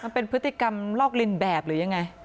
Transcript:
มันเป็นพฤติกรรมลอกลินแบบหรือยังไง